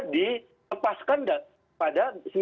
dikepaskan pada sembilan puluh tiga